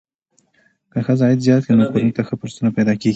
که ښځه عاید زیات کړي، نو کورنۍ ته ښه فرصتونه پیدا کېږي.